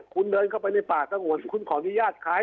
คุณเดินเข้าไปในป่าตังหวนคุณขออนุญาตคล้าย